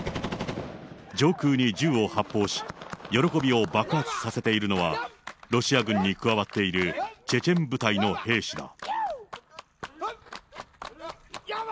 上空に銃を発砲し、喜びを爆発させているのは、ロシア軍に加わっているチェチェン部隊の兵士だ。